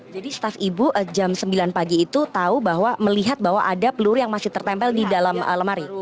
staf ibu jam sembilan pagi itu tahu bahwa melihat bahwa ada peluru yang masih tertempel di dalam lemari